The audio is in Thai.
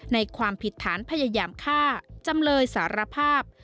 ความผิดฐานพยายามฆ่าจำเลยสารภาพ